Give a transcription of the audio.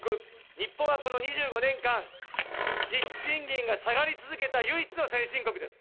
日本はこの２５年間、実質賃金が下がり続けた唯一の先進国です。